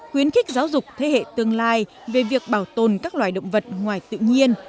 khuyến khích giáo dục thế hệ tương lai về việc bảo tồn các loài động vật ngoài tự nhiên